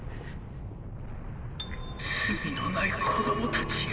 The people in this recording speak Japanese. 「罪の無い子供たちよ」。